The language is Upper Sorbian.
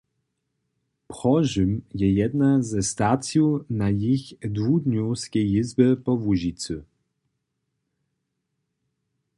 Prožym je jedna ze stacijow na jich dwudnjowskej jězbje po Łužicy.